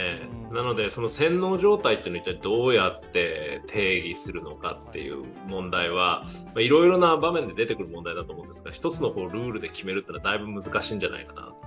なので洗脳状態というのをどうやって定義するのかっていう問題はいろいろな場面で出てくる問題だと思うんですが、１つのルールで決めるというのはだいぶ難しいんじゃないかと。